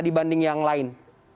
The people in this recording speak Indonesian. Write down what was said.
dibanding yang lain